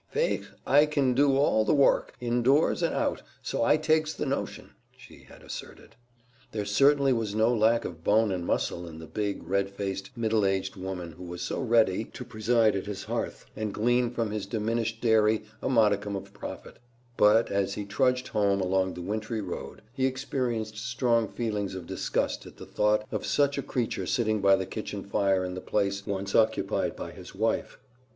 "Faix I kin do all the wourk, in doors and out, so I takes the notion," she had asserted. There certainly was no lack of bone and muscle in the big, red faced, middle aged woman who was so ready to preside at his hearth and glean from his diminished dairy a modicum of profit; but as he trudged home along the wintry road, he experienced strong feelings of disgust at the thought of such a creature sitting by the kitchen fire in the place once occupied by his wife.